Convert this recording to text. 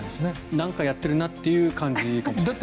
なんかやってるなっていう感じかもしれないですね。